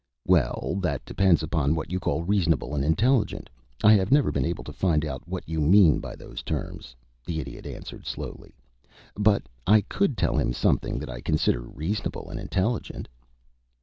"Well, that depends upon what you call reasonable and intelligent. I have never been able to find out what you mean by those terms," the Idiot answered, slowly. "But I could tell him something that I consider reasonable and intelligent."